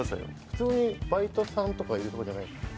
普通にバイトさんとかがいる所じゃないんですか？